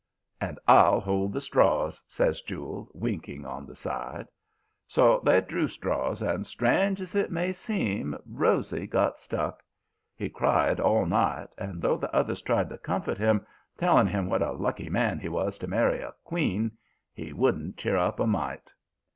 "'And I'll hold the straws,' says Jule, winking on the side. "So they drew straws, and, strange as it may seem, Rosy got stuck. He cried all night, and though the others tried to comfort him, telling him what a lucky man he was to marry a queen, he wouldn't cheer up a mite.